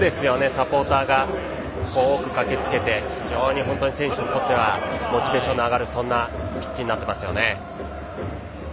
サポーターが多く駆けつけて選手にとってはモチベーションの上がるピッチになってますね。